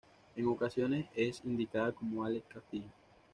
En ocasiones es indicada como "Alex Castillo".